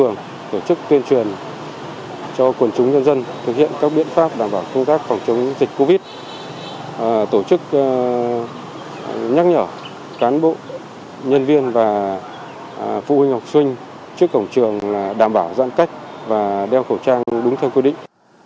nhắc nhở cán bộ nhân viên và phụ huynh học sinh trước cổng trường đảm bảo giãn cách và đeo khẩu trang đúng theo quy định